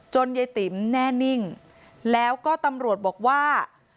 ยายติ๋มแน่นิ่งแล้วก็ตำรวจบอกว่า